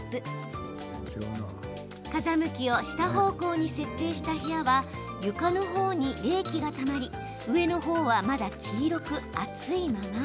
風向きを下方向に設定した部屋は床のほうに冷気がたまり上のほうはまだ黄色く暑いまま。